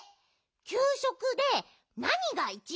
きゅうしょくでなにがいちばんすき？